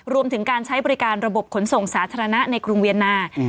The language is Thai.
รวมถึงการใช้บริการระบบขนส่งสาธารณะในกรุงเวียนนา